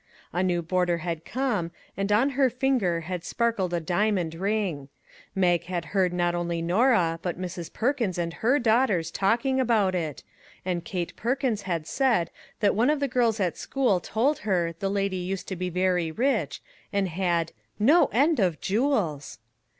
A new boarder had come, and on her finger had sparkled a diamond ring. Mag had heard not only Norah, but Mrs. Perkins and her daughters talking about it, and Kate Perkins had said that one of the girls at school told her the lady used to be very rich, and had " no end of jewels."